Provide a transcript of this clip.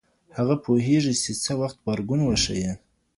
هغه پوهیږي چي څه وخت غبرګون وښيي.